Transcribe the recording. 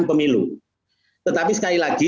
pemilu tetapi sekali lagi